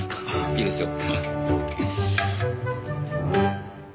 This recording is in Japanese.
いいですよ。